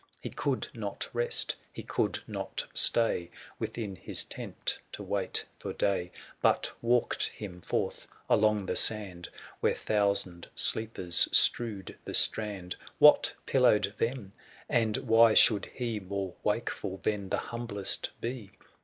21 He could not rest, he could not stay Within his tent to wait for day, But walked him forth along the sand, Where thousand sleepers strewed the strand. What pillowed them ? and why should he 305 More wakeful than the humblest be